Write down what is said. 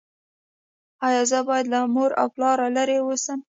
ایا زه باید له مور او پلار لرې اوسم؟